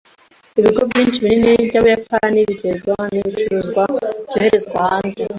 Ibigo byinshi binini byabayapani biterwa nibicuruzwa byoherezwa hanze.